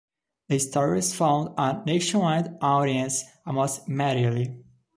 The stories found a nationwide audience almost immediately.